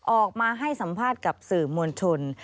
ออกมาให้สัมภาษณ์กับสื่อมวลชน